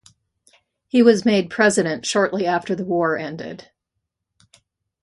He was made President shortly after the war ended.